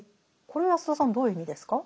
これは安田さんどういう意味ですか？